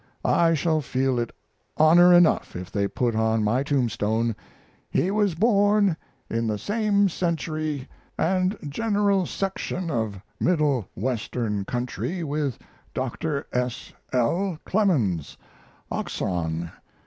I shall feel it honor enough if they put on my tombstone "He was born in the same century and general section of Middle Western country with Dr. S. L. Clemens, Oxon.